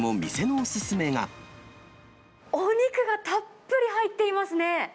お肉がたっぷり入っていますね。